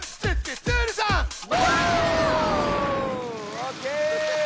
オーケー。